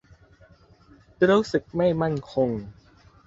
รู้สึกไม่มั่นคง